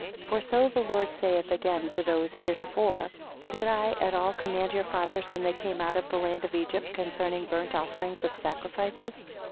9 For so the Lord saith again to those heretofore; Did I at all command your fathers when they came out of the land of Egypt concerning burnt offerings of sacrifices?